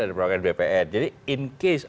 dari perwakilan bpn jadi in case